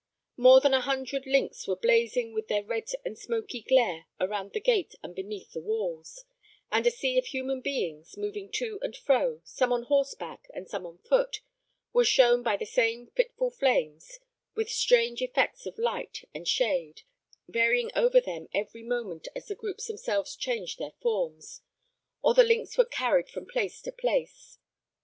More than a hundred links were blazing with their red and smoky glare around the gate and beneath the walls; and a sea of human beings, moving to and fro, some on horseback and some on foot, was shown by the same fitful flames, with strange effects of light and shade, varying over them every moment as the groups themselves changed their forms, or the links were carried from place to place.